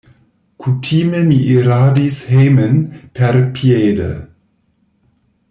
Kutime mi iradis hejmen perpiede.